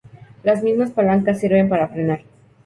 Las mismas palancas sirven para frenar.